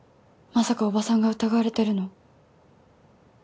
まさかおばさんが疑われてるの？